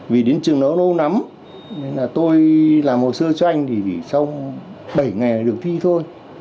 vì đến trường nó lâu lắm nên là tôi làm hồ sơ cho anh thì sau bảy ngày là được thi thôi